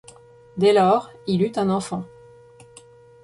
Dès lors, il eut un enfant.